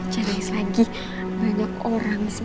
jangan lagi banyak orang disini